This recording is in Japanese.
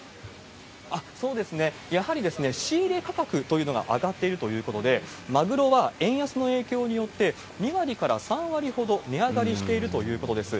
そうですね、やはり仕入れ価格というのが上がっているということで、マグロは円安の影響によって、２割から３割ほど値上がりしているということです。